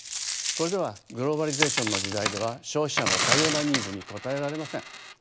これではグローバリゼーションの時代では消費者の多様なニーズに応えられません。